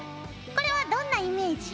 これはどんなイメージ？